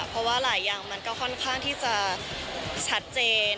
เพราะว่าหลายอย่างมันก็ค่อนข้างที่จะชัดเจน